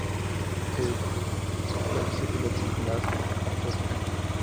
Fue discípulo de Nicolás Achúcarro.